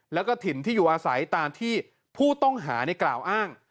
แล้วก็ถิ่นที่อยู่อาศัยตามที่ผู้ต้องหาในกล่าวอ้าง